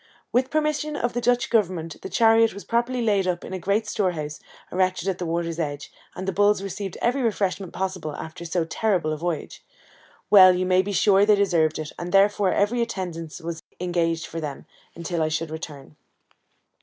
With permission of the Dutch governor the chariot was properly laid up in a great storehouse, erected at the water's edge, and the bulls received every refreshment possible after so terrible a voyage. Well, you may be sure they deserved it, and therefore every attendance was engaged for them, until I should return.